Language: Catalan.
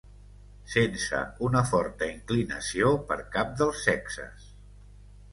Sense una forta inclinació per cap dels sexes.